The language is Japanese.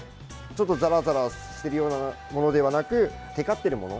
ちょっとザラザラしているようなものではなくテカっているもの